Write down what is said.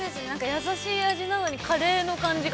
優しい味なのに、カレーの感じが、